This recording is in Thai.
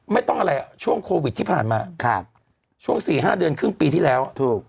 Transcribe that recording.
ไม่ต้องอะไรอ่ะช่วงโควิดที่ผ่านมาช่วง๔๕เดือนครึ่งปีที่แล้วถูก